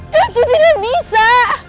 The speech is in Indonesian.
datuk tidak bisa